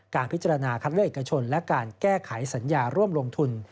การพิจารณาคัดเลือกเอกชนและการแก้ไขสัญญาร่วมลงทุน